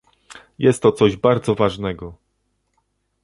Jest to coś bardzo ważnego